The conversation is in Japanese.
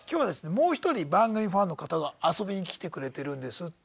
もう一人番組ファンの方が遊びに来てくれてるんですって。